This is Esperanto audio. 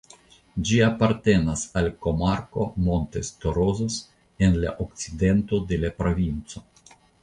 Ĝi apartenas al komarko "Montes Torozos" en la okcidento de la provinco.